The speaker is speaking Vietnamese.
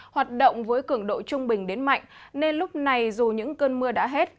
hoạt động với cường độ trung bình đến mạnh nên lúc này dù những cơn mưa đã hết